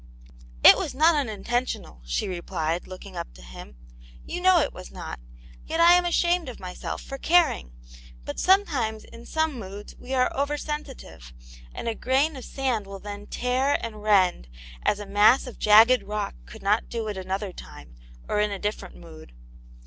"it was not unintentional," she replied, look ing up to him, " you know it was not Yet I am ashamed of myself for caring. But sometimes in some moods, we are over sensitive, and a grain of sand will then tear and rend as ^ xwa.^^ ^V \^^i^^ 72 Aunt Janets Hero. rock could not do at another time, or in a different mood."